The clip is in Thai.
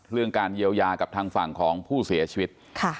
เรื่องการเยียวยากับทางฝั่งของผู้เสียชีวิต